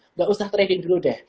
nggak usah trading dulu deh